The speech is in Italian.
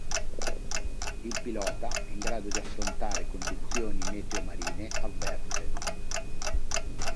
Il pilota è in grado di affrontare condizioni meteo marine avverse.